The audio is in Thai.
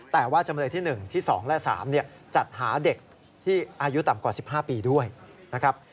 แต่ว่าจำเลยที่๑ที่๒และ๓จัดหาเด็กที่อายุต่ำกว่า๑๕ปีด้วยนะครับ